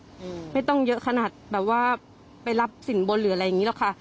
อืมไม่ต้องเยอะขนาดแบบว่าไปรับสินบนหรืออะไรอย่างงี้หรอกค่ะ